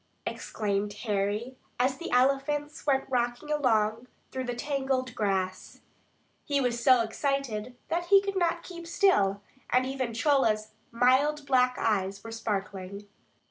exclaimed Harry, as the elephants went rocking along through the tangled grass. He was so excited that he could not keep still, and even Chola's mild black eyes were sparkling.